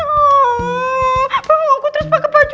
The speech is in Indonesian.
mau aku terus pake baju apa dong nanti pas nemenin mas randy